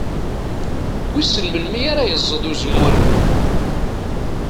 Wissen melmi ara yeẓẓed uzemmur-nni?